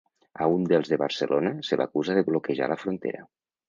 A un dels de Barcelona se l’acusa de bloquejar la frontera.